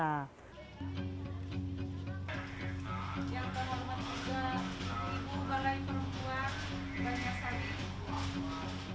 yang berhormat juga ibu balai perempuan dan saya